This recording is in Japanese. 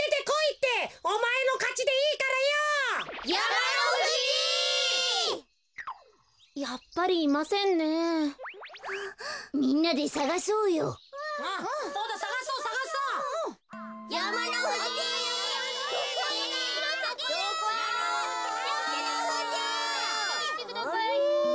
やまのふじ！でてきてください。